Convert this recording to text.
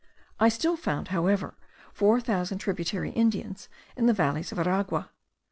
I still found, however, four thousand tributary Indians in the valleys of Aragua.